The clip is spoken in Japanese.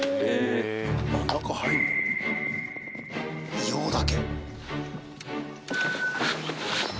硫黄岳！